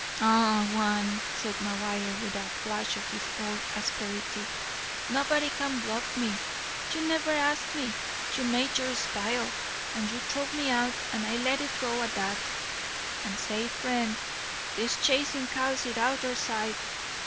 "Ah—g'wan!" said McGuire, with a flash of his old asperity, "nobody can't bluff me. You never ast me. You made your spiel, and you t'rowed me out, and I let it go at dat. And, say, friend, dis chasin' cows is outer sight.